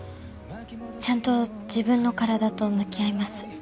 ちゃんと自分の体と向き合います。